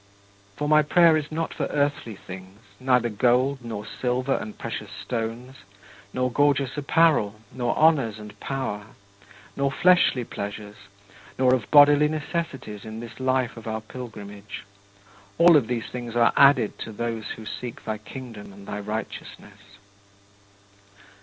For my prayer is not for earthly things, neither gold nor silver and precious stones, nor gorgeous apparel, nor honors and power, nor fleshly pleasures, nor of bodily necessities in this life of our pilgrimage: all of these things are "added" to those who seek thy Kingdom and thy righteousness.